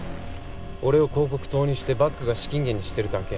俺を広告塔にしてバックが資金源にしてるだけ。